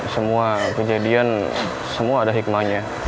semua kejadian semua ada hikmahnya